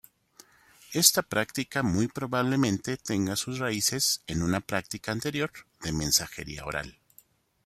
Esta práctica muy probablemente tenga sus raíces en una práctica anterior de mensajería oral.